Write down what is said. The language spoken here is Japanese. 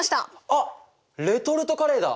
あっレトルトカレーだ！